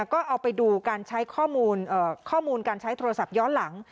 ก็เอาไปดูการใช้ข้อมูลการใช้โทรศัพท์ย้อนหลัง